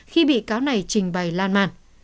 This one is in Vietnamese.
khi bị cáo này trình bày lan màn